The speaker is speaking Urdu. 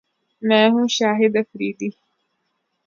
میں ہوں شاہد افریدی